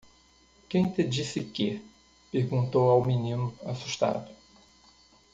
"Quem te disse que?" perguntou ao menino? assustado.